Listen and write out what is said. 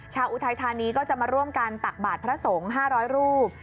อุทัยธานีก็จะมาร่วมกันตักบาทพระสงฆ์๕๐๐รูป